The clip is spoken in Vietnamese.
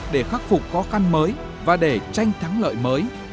để khắc phục khó khăn mới và để tranh thắng lợi mới